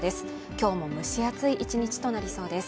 今日も蒸し暑い１日となりそうです。